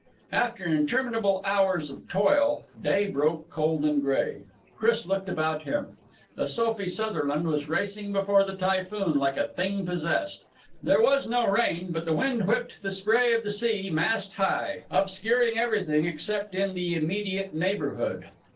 After interminable hours of toil, day broke cold and gray. Chris looked about him. The Sophie Sutherland was racing before the typhoon like a thing possessed. There was no rain, but the wind whipped the spray of the sea mast high, obscuring everything except in the immediate neighborhood.